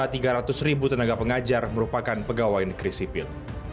sedangkan lebih dari satu tiga ratus tenaga pengajar merupakan pegawai negeri sipil